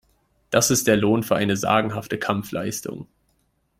Das ist der Lohn für eine sagenhafte Kampfleistung.